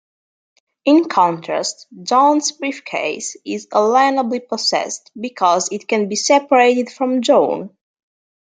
In contrast, 'John's briefcase' is alienably possessed, because it can be separated from John.